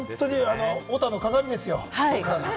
オタの鏡ですよ！